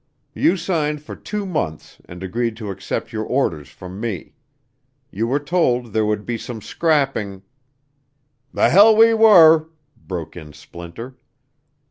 You signed for two months and agreed to accept your orders from me. You were told there would be some scrapping " "The hell we were," broke in Splinter.